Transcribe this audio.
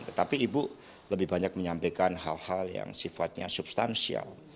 tetapi ibu lebih banyak menyampaikan hal hal yang sifatnya substansial